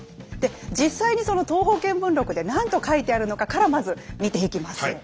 で実際にその「東方見聞録」で何と書いてあるのかからまず見ていきます。